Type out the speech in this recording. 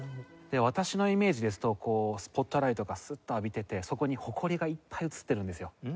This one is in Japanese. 私のイメージですとこうスポットライトがスッと浴びててそこに埃がいっぱい映ってるんですよ。